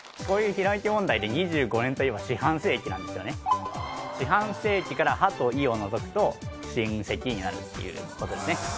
こういうひらめき問題で２５年といえば四半世紀なんですよね四半世紀から「は」と「い」を除くと「しんせき」になるっていうことですね